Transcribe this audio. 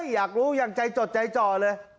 อยากรู้อย่างใจจดใจจ่อเลย